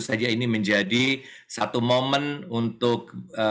dan tentu saja ini menjadi satu momen untuk